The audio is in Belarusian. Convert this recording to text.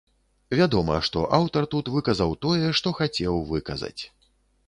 Вядома, што аўтар тут выказаў тое, што хацеў выказаць.